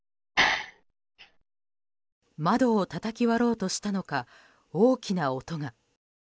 窓をたたき割ろうとしたのか大きな音が。